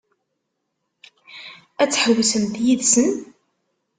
Ad tḥewwsemt yid-sen?